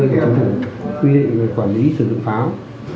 để chống thủ quy định về quản lý sử dụng pháo